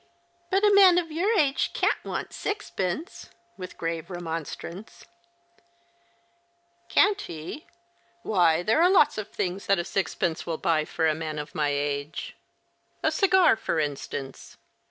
"But a man of your age can't want sixpence," with urave remonstrance. 140 The Christmas Hirelings. " Can't he ? Why, there are lots of things that six pence will buy for a man of my age. A cigar, for instance."